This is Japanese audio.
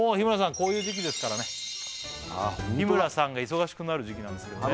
こういう時期ですからね日村さんが忙しくなる時期なんですけどね